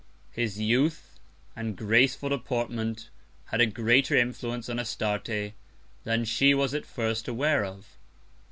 His Youth, and graceful Deportment, had a greater Influence on Astarte, than she was at first aware of.